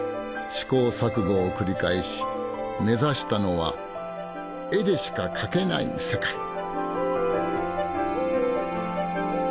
試行錯誤を繰り返し目指したのは「絵でしか描けない世界」。